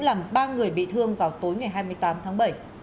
làm ba người bị thương vào tối ngày hai mươi tám tháng bảy